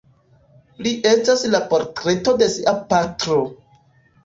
Li estas la portreto de sia patro.